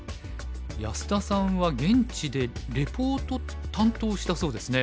安田さんは現地でレポート担当したそうですね。